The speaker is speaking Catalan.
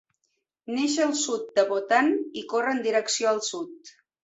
Neix al sud de Bhutan i corre en direcció al sud.